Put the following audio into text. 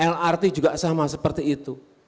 lrt juga sama seperti itu